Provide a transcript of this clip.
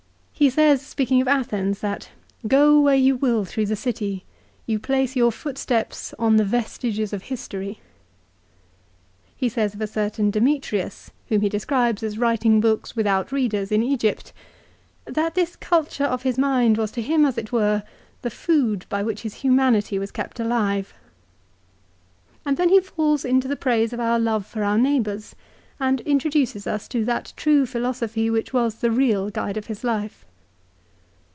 He says, speaking of Athens, that, " Go where you will through the city, you place your footsteps on the vestiges of history." l He says of a certain Demetrius, whom he describes as writing books without readers in Egypt, " That this culture of his mind was to him, as it were, the food by which his humanity was kept alive." 2 And then he falls into the praise of our love for our neighbours, and introduces us to that true philosophy which was the real guide of his life.